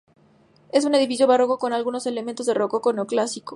Es un edificio barroco, con algunos elementos de rococó y neoclásico.